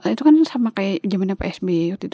itu kan sama kayak zaman psb